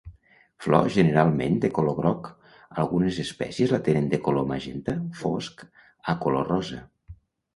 Flor generalment de color groc, algunes espècies la tenen de color magenta fosc a color rosa.